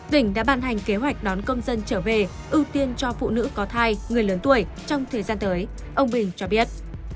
tỉnh đã ban hành kế hoạch đón công dân trở về ưu tiên cho phụ nữ có thai người lớn tuổi trong thời gian tới ông bình cho biết